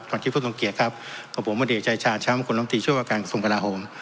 ตอนที่พูดสงเกียจครับก็ผมมาดีใจชาญชั้นคุณลำตีช่วยพวกการส่งพลาโฮม